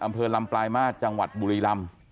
อำเภอลำปลายมาตรจังหวัดบุรีลำ